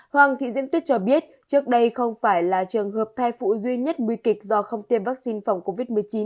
hoàng thị diễm tuyết cho biết trước đây không phải là trường hợp thai phụ duy nhất nguy kịch do không tiêm vaccine phòng covid một mươi chín